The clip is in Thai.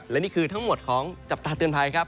และนี่คือทั้งหมดของจับตาเตือนภัยครับ